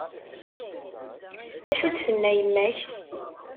Acu d-tenna yemma-k?